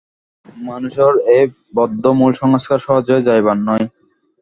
মানুষের এই বদ্ধমূল সংস্কার সহজে যাইবার নয়।